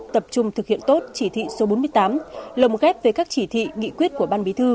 tập trung thực hiện tốt chỉ thị số bốn mươi tám lồng ghép về các chỉ thị nghị quyết của ban bí thư